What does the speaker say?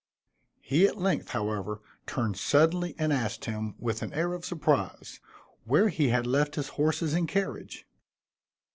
He at length, however, turned suddenly and asked him, with an air of surprise, where he had left his horses and carriage.